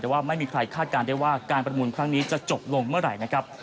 แต่ว่าไม่มีใครคาดการณ์ได้ว่าการประมูลครั้งนี้จะจบลงเมื่อไหร่นะครับ